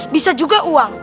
bisa juga uang